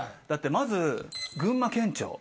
だってまず群馬県庁。